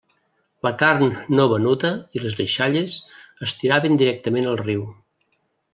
La carn no venuda i les deixalles es tiraven directament al riu.